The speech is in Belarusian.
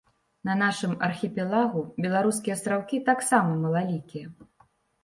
На нашым архіпелагу беларускія астраўкі таксама малалікія.